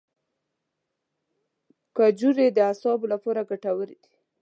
کجورې د اعصابو لپاره ګټورې دي.